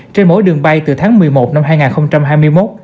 trên mỗi đường bay từ tháng một mươi một năm hai nghìn hai mươi một